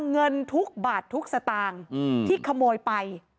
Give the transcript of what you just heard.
เงินทุกบาททุกสตางค์ที่ขโมยไป